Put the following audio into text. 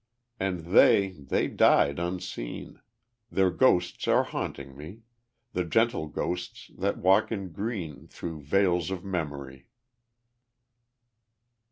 And they they died unseen; Their ghosts are haunting me The gentle ghosts that walk in green Through vales of memory.